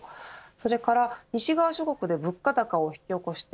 それから西側諸国で物価高を引き起こして